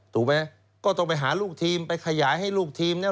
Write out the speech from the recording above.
ถูกไหมก็ต้องไปหาลูกทีมไปขยายให้ลูกทีมเนี่ย